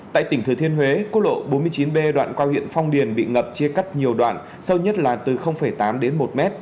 tại tỉnh thừa thiên huế quốc lộ bốn mươi chín b đoạn qua huyện phong điền bị ngập chia cắt nhiều đoạn sâu nhất là từ tám đến một m